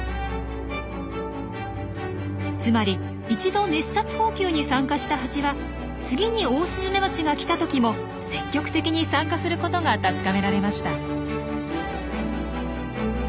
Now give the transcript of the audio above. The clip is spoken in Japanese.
つまり一度熱殺蜂球に参加したハチは次にオオスズメバチが来た時も積極的に参加することが確かめられました。